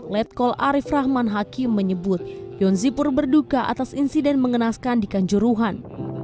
letkol arief rahman hakim menyebut yonzipur berduka atas insiden mengenaskan di kanjuruhan